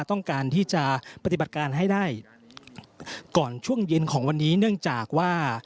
ต้องการที่จะปฏิบัติการให้ได้ก่อนช่วงเย็นของวันนี้เนื่องจากว่า